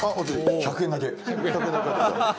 １００円だけ。